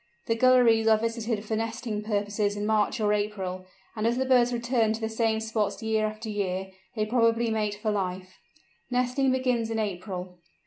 The "gulleries" are visited for nesting purposes in March or April, and as the birds return to the same spots year after year, they probably pair for life. Nesting begins in April.